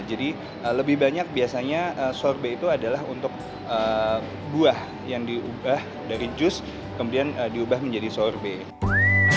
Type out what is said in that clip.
jadi lebih banyak biasanya sorbet itu adalah untuk buah yang diubah dari jus kemudian diubah menjadi sorbet